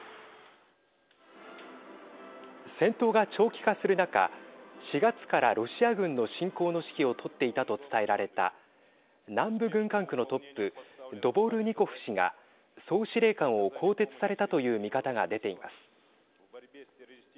戦闘が長期化する中４月からロシア軍の侵攻の指揮を執っていたと伝えられた南部軍管区のトップドボルニコフ氏が総司令官を更迭されたという見方が出ています。